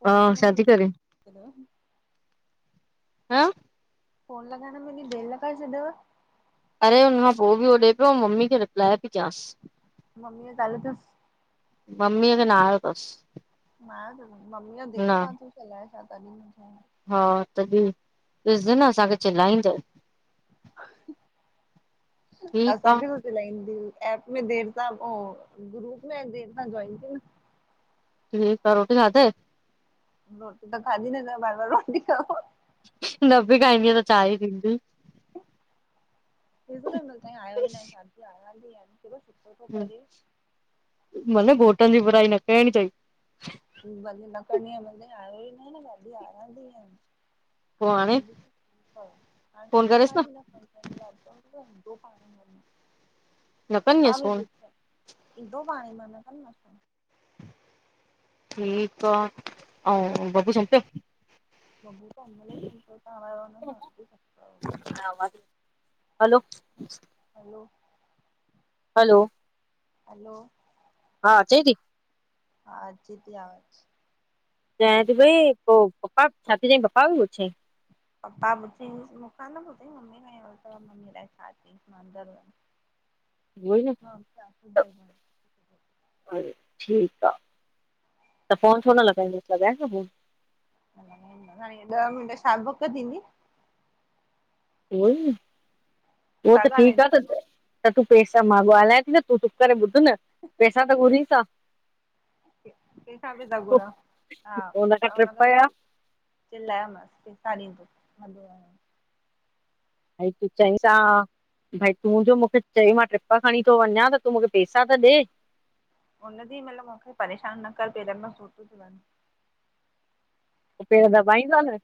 Phone ते हा न शादी मिली करे? तव? हं। फोन लॻाइण‌ में एॾी देरि लॻाए छॾयव। अड़े हुनखां पोइ बि हो ॾे पियो, मम्मी खे रिप्लाए पई कयांसि। मम्मीअ ॻाल्हि अथसि ममीअ खे ना आयो तस। मां मम्मीअ देरि सां थी चलाए छा तॾहिं म [unintelligible] हा तॾहिं, ॾिसजए न असांखे चिल्लाईंदई। ठीकु असां आ खे बि चिलाइंदी। एप में देर सां, हो ग्रुप में देर सां जोइन थी न। ठीकु आहे रोटी खाधे रोटी त खाधी न, छा बार बार रोटी खावां? न बी खाईंदीय त छा ई थींदीय? ॾिसो न अञ्या ताई आयो ई न आहे, आयो ई न आहे। हम्म भले घोटनि जी बुराई न करणी चाही ब पकणी आहे मतलब आयो ही न आहे न, साढी यारां थी वया आहिन। पो अ हाणे वधीक हाणे फोन कंॾी करेसि न मांस ई न। ो प न पता कंदीअसि बि फोन पुछ ईंदो पाणेही, मां न कंदी मांस फोन। ठीकु आहे, ऐं बबू सुमन पियो? बबू त होॾी मल ई सुम पियो, त्हां वया हुन ह सस्तयो ह हलो, हलो, हलो, हलो, हा अचेई थी? हा अचे ती हाणे। चये थी पई पो पपा छा थी चई पपा का बि पुछेई। पप्पा ॿुधी मूंखां न ॿुधईं मम्मी खां ही बुछई मम्मी अलाऐ छा चयईंस? मां अंदर हुयम। [inaudible] उई न। अरे ठीकु आ, त फोन छो न लॻाईंदसि लॻाए न फोन। हाणे ॾह मिंट छा बुक थींदी? उहो ई न, उह छा त ठीक आ ॻाल्हाईंदो त त तूं पैसा मां ॻाहाल्हाए थी न तूं चुप करे ॿुध न पैसा ता घुरयूं छा? क ख बिे जॻो न हा हुन खां उन ट्रिप खे जा च चिल्लायमांस, पैसा ॾिंन्दी ऐं तूं चईस आ भई तूं जो मूंखे चई मां ट्रिप खणी थो वञा त तूं मूंखे पैसा त ॾे हुन चयईं मतलबु मूंखे परेशानु न कर पैरा में सूर तो थियेटर हाणे। त पेर दॿाईस आ न।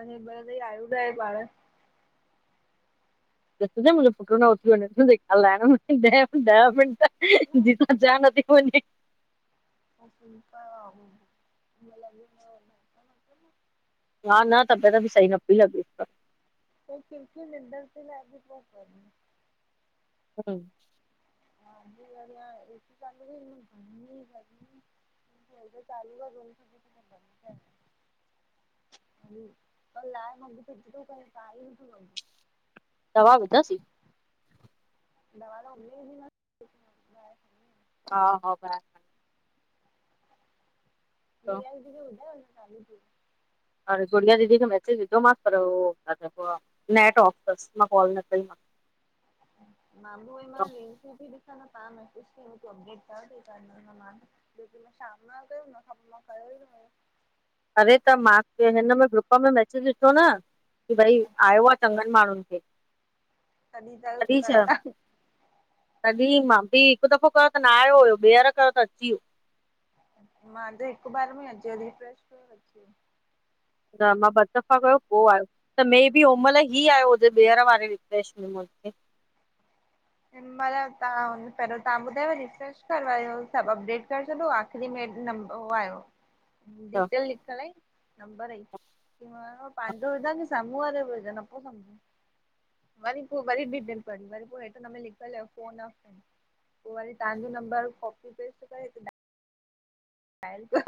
अञा हिन मेल ताईं आयो न आहे पाण ॾिस जए मुहिंजो पुट न उथी वञे। ॻाल्हाण में ही ॾह मिनट ॿार जीत ज नथी वञे। [unintelligible] हा न तबियत बि सही न पई लॻे पर त किरकिर निंढ ते ला बि बहुत वारी ह्म्म, ह एी गाल बि इ गमी ह [unintelligible] चालू र [unintelligible] ल आहे म बिी कु त करे त ई न तूंी [unintelligible] दवा हूंदसि? दवा त उली जी न [unintelligible] हा हा भा गुड़िया दीदी खे ॿुधायो अॼु चालू थी। हाणे गुड़िया दीदी खे मेसेज विधो मास पर हो छा चइबो आ नेट ऑफ तस, मां कॉल न कई मास। म बिू मांाल [unintelligible] बि ॾिस मू [unintelligible] लेकिन मां शाम न कयो हुन खां पोइ मां कयो ई न हुओ। अरे त मां हिन में ग्रुप में मैसेज ॾिठो न की भई अच्छा आयो आहे चङनि माण्हुनि खे। तॾी त तॾहिं कनि छा ता। तॾहिं मां भी हिकु दफ़ो कयो त न आयो हुयो ॿीहर कयो त अची वियो। मां त हिकु बार में अची वियो, रिफ्रेश कयो अची वियो। न मां ॿ दफ़ा कयो पोइ आयो। त मे बि हो महिल ही आहियो हुजे ॿीहर वारे रिफ्रेश में हिन महिल तव्हां पहिरों तव्हां ॿुधायो रिफ्रेश कर वरी सभु अपडेट करे छॾो उहो आयो त डिटेल लिखल आई नंबर ई, कि मां पंहिंजो विझा कि साम्हूं वारे बि विझा न पोइ समझ वरी पोइ वरी डिटेल भरी वरी पोइ हिन में लिखयलु हो फोन, पो वरी तांजो नंबर कॉपी पेस्ट करे डायल करो।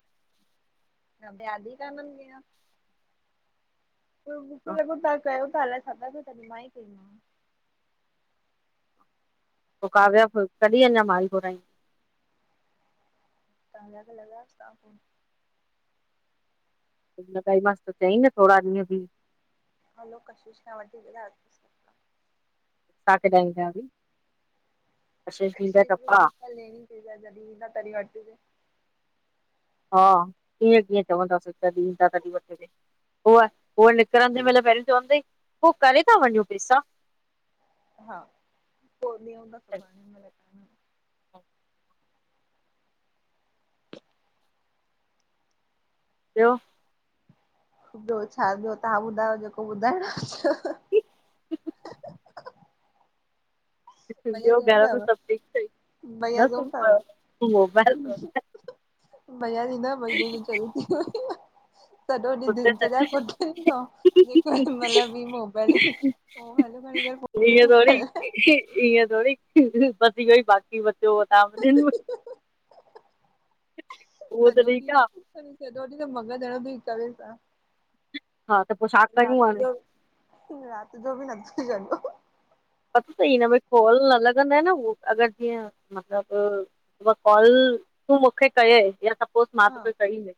ह वियाधी कानंदंदय [unintelligible] पोइ मूंखे लॻो तव्हां कयो था अलाए छा था कयो तॾी मां ई कईमांव। पोइ काव्या, कॾहिं अञा माल घुरायईं? तव्हांॻाखे लॻायोसिव्हांफ़ो [unintelligible] न लॻाई मांस त चयईं न थोरा ॾींहं बी। हलो कशिश खां वधीक रा छा कॾ जाी [unintelligible] टपा लेणी चइ जॾहिं न तरी वती ते [unintelligible] हा, इएं कीअं चवंदासीं तॾहिं ईंदा तॾहिं वठजे। उहा, उहा निकिरंदे महिल पहिरियों चवंदई, पोइ करे था वञूं पैसा? हा, पोइ ॾींहं हूंदा सुभाणे महिल ॿियो? ॿियो छा ॿियो तव्हां ॿुधायो जेको ॿुधाइणो आ। भईया ॿियो सुम घर में पयव? सभु ठीक थई भईया न सुम पयव? सुमपयो मोबाइल भईया जी न ॿई भेणयूं चरियूं थी वयूं। सॼो ॾींहुं दिनचर्या कुछ बि न, जेको महिल बि मोबाइल ह हलो कणिकर फ त ईअं तूं थोरी [unintelligible] ईअं थोरी, बस इहो ई बाक़ी बचो तां सॼो ॾींहं, सॼो ॾींहं त मगॼ हणो तई करे छा। हा त पोइ छा रात कयूं हाणे जो, रात जो बि नथी छॾो। पतो तई हिन में कॉल न लॻंदय न उह अॻरि जीअं मतिलबु उहा कॉल तूं मूंखे कय या सभु पो मां हा तोखे कई न,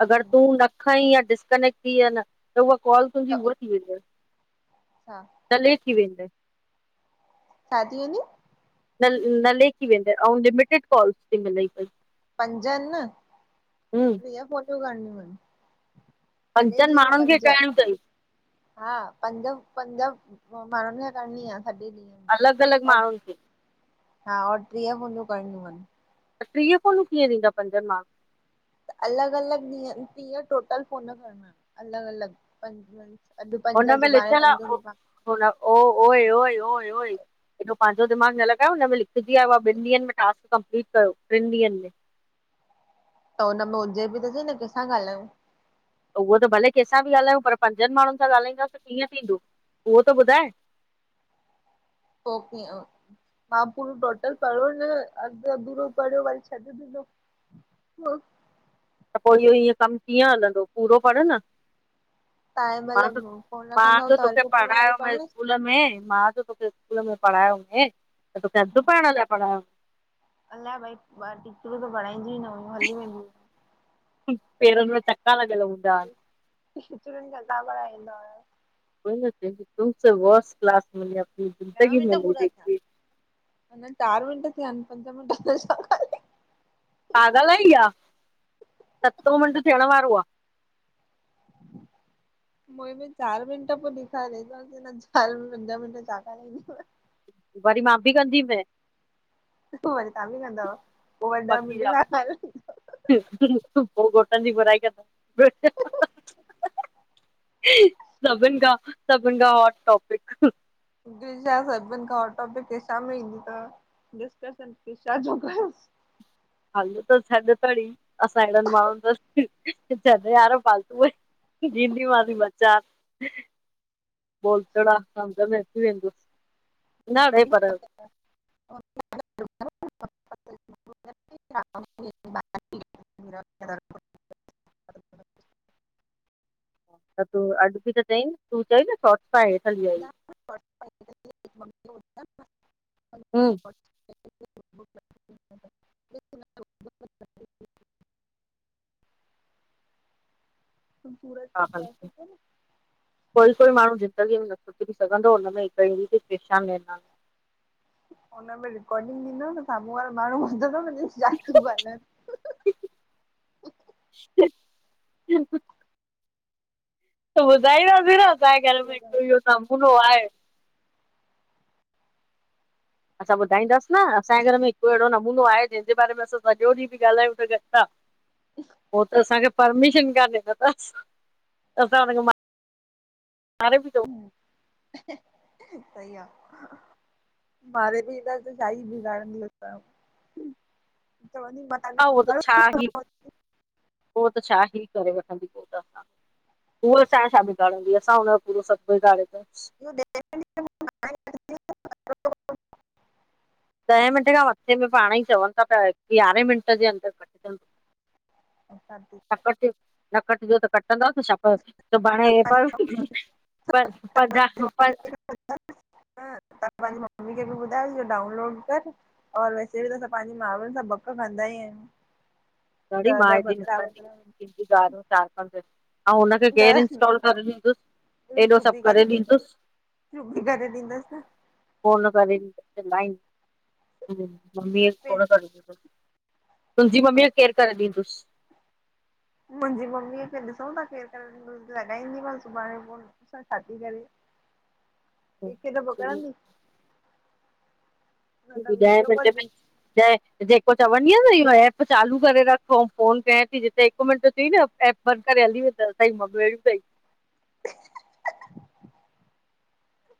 अॻरि हम्म तूं न खईं या डिस्कनेक्ट थीय न त उहा कॉल त तुंहिंजी उहा थी वेंदय, छा डलेट थी वेंदय। छा थी वेंदी? न लेख थी वेंदेव और लिमिटेड कॉलस ती मिलेई पई। पंज आहिनि न, हम्म वीह फ़ोनियूं करणियूं आहिनि। सॼे पंजनि ॾींहुं में माण्हुनि खे पंज। करणियूं अथई हा पंज पंज माण्हुनि खे करणी आ, सॼे ॾींहुं। अलॻि अलॻि माण्हुनि खे? हा और टीह फोनियूं करणियूं आहिनि। त टीह फोनू कीअं थींदा पंजन माण्हू त अलॻि अलॻि ॾींहं टीहं टोटल फोन करणा, अलॻि अलॻि पंज। अॼु पंज सुभाणे पंज सुभा बोला ओ ओए ओए ओए ओए एॾो पांजो दिमागु न लॻायो हुन में लिखजी आयो आ ॿिनि ॾींहंनि में टास्क कंपलीट कयो, टिन ॾींहंनि में। त हुन में हुजे बि त सही न कंहिंसा ॻाल्हायूं? त उहो त भले कंहिंसां बि ॻाल्हायूं पर पंजनि माण्हुनि सां ॻाल्हाईंदासीं त कीअं थींदो, उहो त ॿुधाए? पो कीय? मां पूरो टोटल पढ़ो न, अधु अधूरो पढ़यो वरी छॾे ॾिनो। वो त पो इहो इएं कमु कीअं हलंदो पूरो पढ़ न। तव्हां हिन मां त, महिल फोन मां रखंदव जो त वरी तोखे पोइ पूरो वरी पढ़ायो मय पढ़ांसि स्कूल में, मां त तोखे स्कूल में पढ़ायोमय, त तोखे थी अधु पढण लाइ पढ़ायो। अलाए भई ब टिचरूं त पढीईं दियूं ई न हुयूं। हली वेंदियूं हुयूं। पेरनि में चका लॻियलु हूंदा आ। टिचरुनि जा घबा ईंदा हुया। कोई न तुमसे वर्स क्लासस मेंने अपनी ज़िंदगी में नही देखी। अञां चारि मिंट थीया आहिनि पंज मिंट में छा ॻाल्हाय। पागाल आही छा, सतो मिंट थियणु वारो आ। [inaudible] मुंहिंमें चारि मिंट पो डेखारे चवासि हिन चारि पंज मिंट में छा ॻाल्हाईदव। वरी मां बि कंदीमै। वरी तव्हां बि कंदव, पो वरी ॾह बाक़ी मिंट जा छा ॻाल्हाईदव? पो घोटनि जी बुराई कंदम, ॿियो छा। सभिनि खां, सभिनि खां हॉट टॉपिक। ॿियो छा सभिनि खां हॉट टॉपिक हे छा में ईंदा, डिस्कशन बि छाजो कयो। हल त छॾ तड़ी, असां अहिड़नि माण्हुनि सां छॾ यार फालतू में भिंडीयूं, आलू ॿ चारि बोलतड़ा समझ मे अची वेंदूस, न भई मम्मी पर [unintelligible] [unintelligible] [unintelligible] त तूं अॼु बि त चई, तूं चई न सोट सां हेठि हली आई। हूं [unintelligible] [inaudible] त सूरज हा कुझ खनि कैसे थ [unintelligible] कोई कोई माण्हू ज़िंदगीअ में न सुधरी सघंदो हुन में हिकहिड़ी परेशान मेना हुनन में रिकोर्डिंग ॾिन साम्हूं वारा माण्हू त जातिय [unintelligible] छा तियू ॻालिहाइं। बक [unintelligible] त ॿुधाईंदासी न असाहांजे घर में ॻाल्हाइनि हिकु इहो नमूनो आहे। असां ॿुधाईंदासीं न असांजे घर में हिकु अहिड़ो नमूनो आहे जंहिंजे बारे में असांॼो ॾींहुं बि ॻाल्हायूं त गट आ। पोइ त असांखे। परमिशन काने त बस, असां पहिंजो, मारे बि पियो। ह, सही आहे। मारे बि ईंदा त शाही बिगाड़ंदी असांयो। चोंवदी मान हा, उहो त छा ही, उहो त छा ही करे वठंदी पोइ त असां। ऊअ असांजो छा बिगारंदी असां ऊन हुनयो पुरो सब बिगरिंदास। [inaudible] ॾहें मिनटे खां मथे में पाण ई चवनि था पिया। यारहें मिंट जे अंदर कटिजंदो। ऐं सादी [unintelligible] नकट, नकट जो त कटंदासि छा? त भाणे प प [unintelligible] ह [unintelligible] तव्हां पंहिंजी मम्मी खे बि ॿुधाइजहो डाउनलोड कर। और वैसे बि त असां पंहिंजी माण्हुनि सां बक कंदा ई आहियूं। न, न, भकरा वरा। [unintelligible] [unintelligible] ारहो चार पंज अऊं हुनखे केरु ॾह इंस्टॉल करे ॾींदुस? एॾो सिबी सभु करे ॾींदो ॾींदुस? रुबी करे ॾींदस न। कोन करे डींदस चिल्लाइन्दस मम्मीय खे फिर खोड़ करे डिनो। तुहिंजी मम्मीय खे केरु करे डी्दुस। मुहिंजी मम्मीअ खे ॾिसूं था केरु करे ॾीदुस लॻाईंदीमांस सुभाणे फोन ॾिसां छा थी करे। कैंखे त ॾींदुसि मोकलंदी। जय [unintelligible] जय। जेको चवंदी यन इहो एप चालू करे रख पो फोन कयाएं थी जिते हिक मिन्ट थी न। एप बंदि करे हली वेंदव हुतां जूं मम्यूं अहिॾियू तई।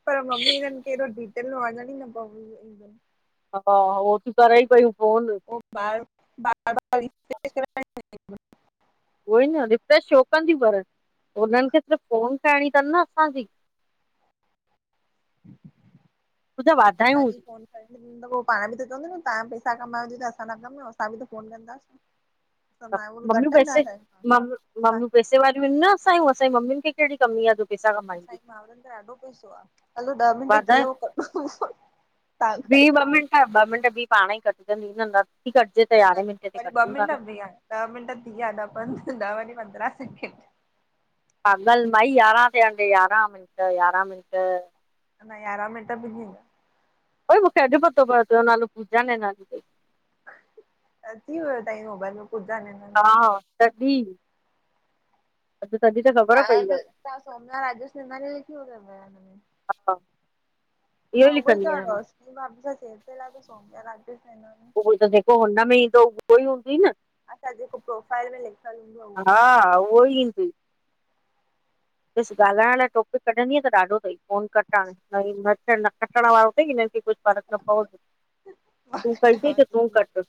पर मम्मी जन खे हेडो डिटेल में वन्यण ही न पवंदुन। हा, हा। हो तीइयू करई पयुं फोन। बार बार [unintelligible] उहो ई न रिफ्रेश छो कंदियूं पर हुनन्हन खे सिर्फ फोन करणी तन न असांजी। तुंहिंजा वाधायूं असांजी हुजे। फोन। तपो पाण बि त चवंदी न तव्हां पैसा कमायो थ्यूं त असां न कमायूं असां बि त फोन कंदासीं। असां मायूं मम्मीयूं पैसे घटंदासीं असां मम मम्मीयूं पैसे वारियूं ऐन न असांयू, असांऐ मम्मीयुन खे कहिड़ी कमी आ जो पैसा कमाईंदियूं असांजी माउरनि त ॾाढो पैसो आ। हलो ॾह मिंट थी वाधायूं वियव कडो् को तां कयो। हा ॿ मिंट भी पाण ई कटजंदी नथी कटिजे त यारहें मिंटे ते वरी ॿ कटयूं था मिंट न। बीह ॾह मिंट थी वया ॾह पंदर ॾह वञी पंद्रहां सेकेंड। पागल माई यारहां थ्या तई यारहां मिंट यारहां मिन्ट। याराम मट भी थींदा। भाई मुखे अज़ पतो पयो तुन्जो नालो पूजा नैनानी तई। अ थी वियो टाईम, मोबाइल जो। बुधा [unintelligible] हा, तॾहिं। [unintelligible] तहां अज आहे सोमनाथ राजस नेमानी लिख्यो तव हिन में। [unintelligible] हा [unintelligible] इहो मां ई उबई लिखंदी त आहियां मां रोस की बाबी सां सेर ते लाइ त सौमपिय ली न [unintelligible] उहो त जेको हुन में ईंदो, उहो ई हूंदी न। अच्छा जेको प्रोफाइल में लिखयल हूंदो आहे, उहो ई। हा उहो ही ईंदुई। [unintelligible] बस ॻाल्हाइण लाय टापिक कढंदीअ त ॾाढो थई, फोन कट हाणे [unintelligible] हे न कटण वारो थई, हिनन खे कुछ फर्क न पवंदुई, आहे मां तूं कई अथई चवां त तूं थी कट।